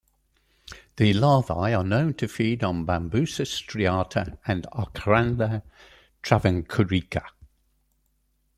The larvae are known to feed on "Bambusa striata" and "Ochlandra travancorica".